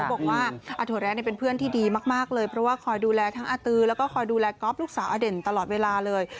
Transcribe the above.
บอกว่าอาถวแร้เป็นเพื่อนที่ดีมากเลยเพราะว่าคอยดูแลทั้งอาตือแล้วก็คอยดูแลก๊อฟลูกสาวอเด่นตลอดเวลาเลย